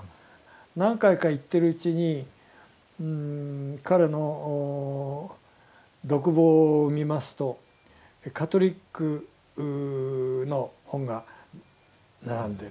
何回か行ってるうちに彼の独房を見ますとカトリックの本が並んでる。